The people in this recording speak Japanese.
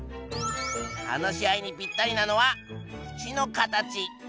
話し合いにぴったりなのは口の形。